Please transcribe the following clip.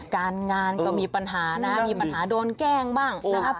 การงานก็มีปัญหานะมีปัญหาโดนแกล้งบ้างนะครับ